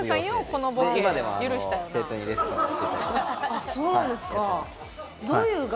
あっそうなんですか。